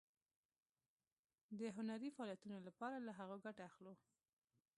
د هنري فعالیتونو لپاره له هغو ګټه اخلو.